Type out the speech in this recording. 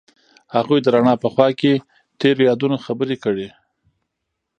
هغوی د رڼا په خوا کې تیرو یادونو خبرې کړې.